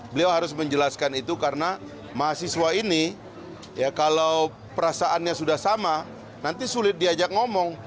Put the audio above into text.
beliau harus menjelaskan itu karena mahasiswa ini ya kalau perasaannya sudah sama nanti sulit diajak ngomong